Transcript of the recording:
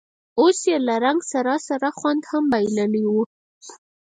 اوس یې له رنګ سره سره خوند هم بایللی و.